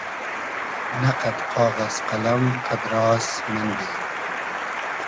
نۂ قئد قاغئز قئلئم قئدراس مئندی